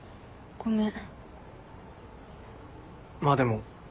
ごめん。